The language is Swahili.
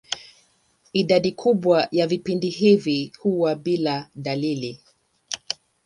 Idadi kubwa ya vipindi hivi huwa bila dalili.